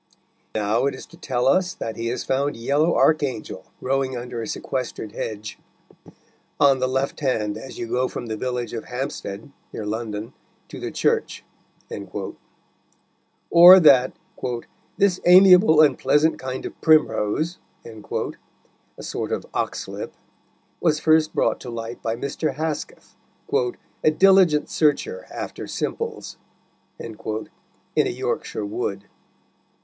Now it is to tell us that he has found yellow archangel growing under a sequestered hedge "on the left hand as you go from the village of Hampstead, near London, to the church," or that "this amiable and pleasant kind of primrose" (a sort of oxlip) was first brought to light by Mr. Hesketh, "a diligent searcher after simples," in a Yorkshire wood.